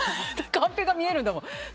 カンペが見えるんだもん。